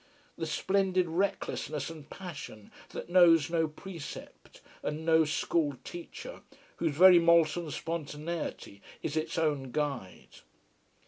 The splendid recklessness and passion that knows no precept and no school teacher, whose very molten spontaneity is its own guide.